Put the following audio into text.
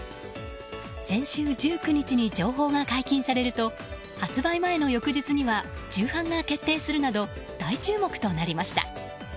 先週１９日に情報が解禁されると発売前の翌日には重版が決定するなど大注目となりました。